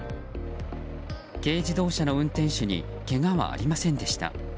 軽自動車の運転手にけがはありませんでした。